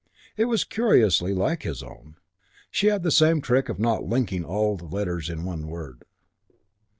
It was curiously like his own. She had the same trick of not linking all the letters in a word.